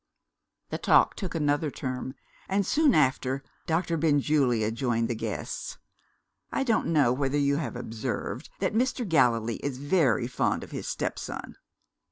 The talk took another turn and, soon after, Doctor Benjulia joined the guests. I don't know whether you have observed that Mr. Gallilee is very fond of his stepson?"